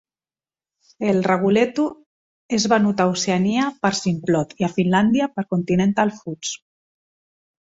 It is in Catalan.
El "raguletto" és venut a Oceania per Simplot i a Finlàndia per Continental Foods.